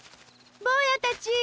ぼうやたち！